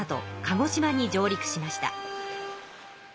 鹿児島に上陸しました。